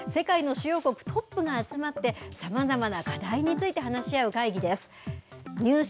世界の主要国トップが集まって、さまざまな課題について話し合う会議です。